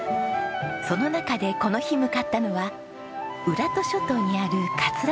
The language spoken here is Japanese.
その中でこの日向かったのは浦戸諸島にある桂島。